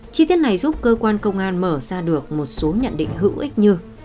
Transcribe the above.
chi tiết này giúp cơ quan công an mở ra được một số nhận định hữu ích như